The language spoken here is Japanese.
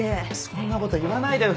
そんなこと言わないでよ